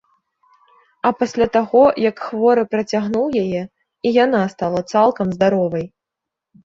А пасля таго, як хворы працягнуў яе, і яна стала цалкам здаровай.